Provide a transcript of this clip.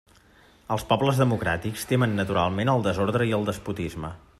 Els pobles democràtics temen naturalment el desordre i el despotisme.